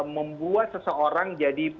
membuat seseorang jadi